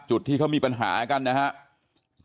จุดที่เขามีปัญหากันนะครับ